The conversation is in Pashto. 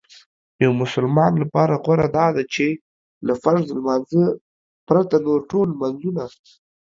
یو مسلمان لپاره غوره داده چې له فرض لمانځه پرته نور ټول لمنځونه